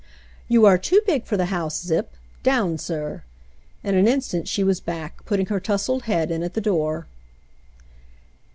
"You are too big for the house. Zip. Down, sir!" In an instant she was back, putting her tousled head in at the door.